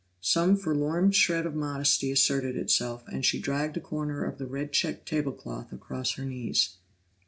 Some forlorn shred of modesty asserted itself, and she dragged a corner of the red checked table cloth across her knees.